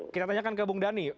kita tanyakan ke bung dhani